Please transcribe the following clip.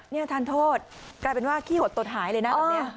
นี่ทานโทษกลายเป็นว่าขี้หดตดหายเลยนะแบบนี้